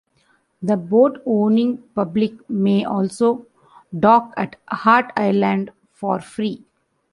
The boat-owning public may also dock at Heart Island for free.